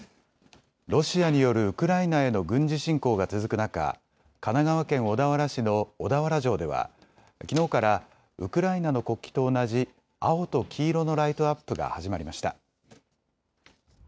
ロシアによるウクライナへの軍事侵攻が続く中、神奈川県小田原市の小田原城ではきのうからウクライナの国旗と同じ青と黄色のライトアップが始まりました。